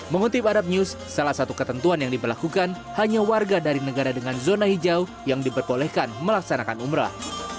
mengutip adab news salah satu ketentuan yang diberlakukan hanya warga dari negara dengan zona hijau yang diperbolehkan melaksanakan umrah